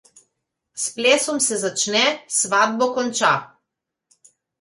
S plesom se začne, s svatbo konča.